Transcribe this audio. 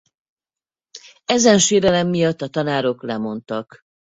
Ezen sérelem miatt a tanárok lemondtak.